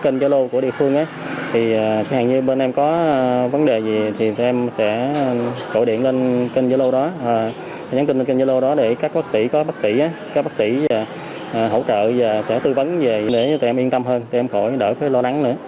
nhắn tin trên kênh yellow đó để các bác sĩ có bác sĩ các bác sĩ hỗ trợ và sẽ tư vấn về để tụi em yên tâm hơn tụi em khỏi đỡ cái lo đắng nữa